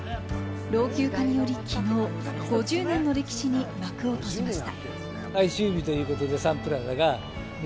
老朽化により、きのう５０年の歴史に幕を閉じました。